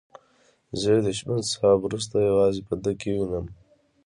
زه یې د شپون صاحب وروسته یوازې په ده کې وینم.